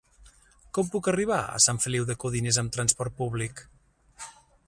Com puc arribar a Sant Feliu de Codines amb trasport públic?